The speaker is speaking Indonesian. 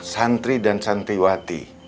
santri dan santriwati